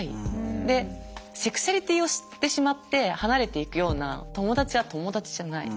でセクシュアリティーを知ってしまって離れていくような友達は友達じゃない。